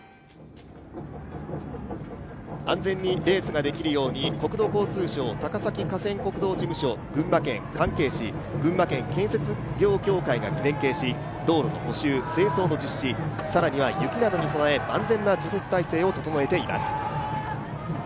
安全にレースができるように国土交通省高崎河川国道事務所、群馬県、関係市、群馬建設業協会が連携し道路の補修、清掃の実施、更には雪などに備え万全な除雪態勢を整えています。